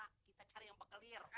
kita cari yang pekelir